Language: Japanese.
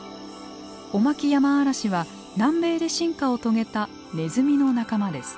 オマキヤマアラシは南米で進化を遂げたネズミの仲間です。